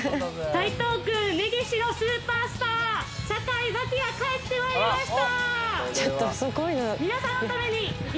台東区根岸のスーパースター坂井真紀が帰ってまいりました。